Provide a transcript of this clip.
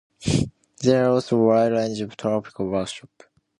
There are also a wide range of topical workshops.